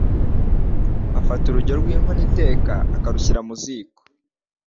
afata urujyo rw’inkono iteka, akarushyira mu ziko